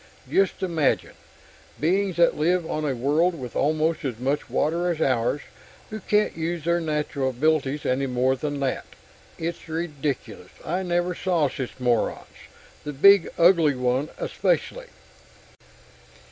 Just imagine beings that live on a world with almost as much water as ours, who can't use their natural abilities any more than that! It's ridiculous. I never saw such morons the big, ugly one especially!"